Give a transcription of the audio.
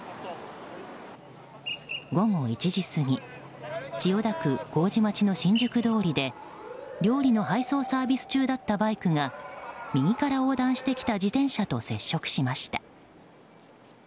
午後１時過ぎ千代田区麹町の新宿通りで料理の配送サービス中だったバイクが右から横断してきた自転車と接触しました。